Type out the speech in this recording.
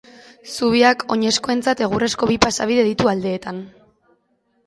Zubiak oinezkoentzat egurrezko bi pasabide ditu aldeetan.